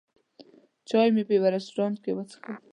چای مې په یوه رستورانت کې وڅښل.